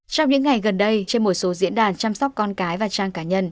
trong những ngày gần đây trên một số diễn đàn chăm sóc con cái và trang cá nhân